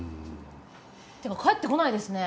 てか帰ってこないですね。